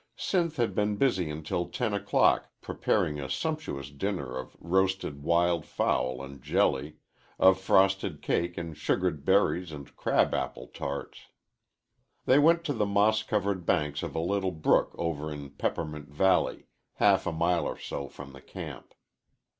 Sinth had been busy until ten o'clock preparing a sumptuous dinner of roasted wild fowl and jelly, of frosted cake and sugared berries and crab apple tarts. They went to the moss covered banks of a little brook over in Peppermint Valley, half a mile or so from the camp.